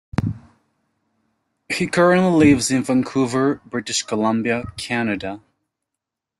He currently lives in Vancouver, British Columbia, Canada.